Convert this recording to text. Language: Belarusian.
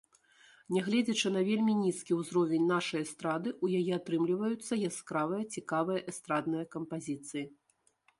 Нягледзячы на вельмі нізкі ўзровень нашай эстрады, у яе атрымліваюцца яскравыя, цікавыя эстрадныя кампазіцыі.